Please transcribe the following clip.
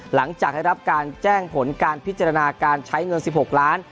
หลังจากได้รับการแจ้งผลการพิจารณาการใช้เงิน๑๖ล้าน